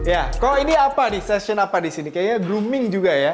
ya kalau ini apa nih session apa di sini kayaknya grooming juga ya